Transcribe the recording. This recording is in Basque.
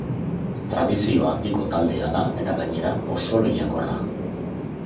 Tradizio handiko taldea da, eta gainera, oso lehiakorra.